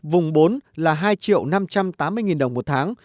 vùng bốn là hai năm trăm tám mươi đồng một tháng